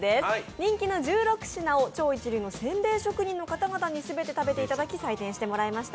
人気の１６品を超一流の煎餅職人の方に全て食べていただき採点していただきました。